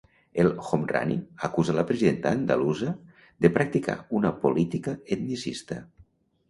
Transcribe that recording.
El Homrani acusa la presidenta andalusa de practicar una política etnicista.